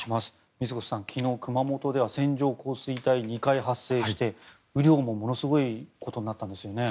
水越さん、昨日熊本では線状降水帯２回発生して雨量もものすごいことになったんですよね。